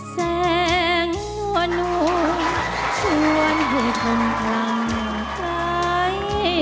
แสงหนวดหนูชวนหุ่นทนทางใจ